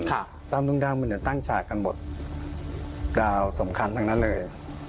ค่ะทำนุ่งดำมันเนี่ยตั้งฉากกันหมดดาวสมคัญทั้งนั้นเลย